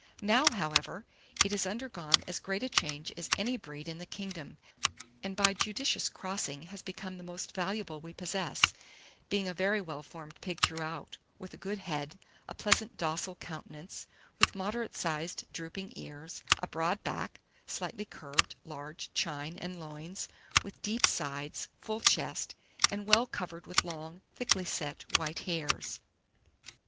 Now, however, it has undergone as great a change as any breed in the kingdom, and by judicious crossing has become the most valuable we possess, being a very well formed pig throughout, with a good head, a pleasant docile countenance, with moderate sized drooping ears, a broad back, slightly curved, large chine and loins, with deep sides, full chest, and well covered with long thickly set white hairs.